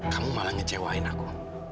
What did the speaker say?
kamu malah ngecewain aku